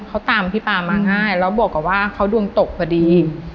เขาตามพี่ป๊ามาง่ายแล้วบอกกับว่าเขาดวงตกพอดี